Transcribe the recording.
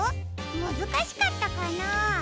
むずかしかったかな？